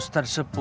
nah ini gabu